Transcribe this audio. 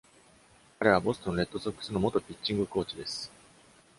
彼はボストン・レッドソックスの元ピッチングコーチです。